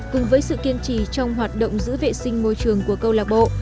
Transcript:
cùng với sự kiên trì trong hoạt động giữ vệ sinh môi trường của câu lạc bộ